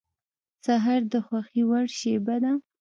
سهار د خوښې وړ شېبه ده.